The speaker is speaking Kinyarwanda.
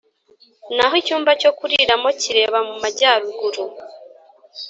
Naho icyumba cyo kuriramo kireba mu majyaruguru